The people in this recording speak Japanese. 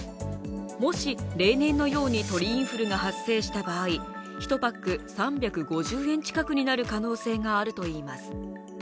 もし例年のように鳥インフルが発生した場合、１パック３５０円近くになる可能性があるといいます。